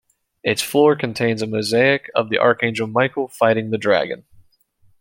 Its floor contains a mosaic of the Archangel Michael fighting the dragon.